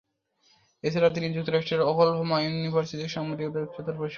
এছাড়া তিনি যুক্তরাষ্ট্রের ওকলাহোমা ইউনিভার্সিটি থেকে সাংবাদিকতায় উচ্চতর প্রশিক্ষণ নিয়েছেন।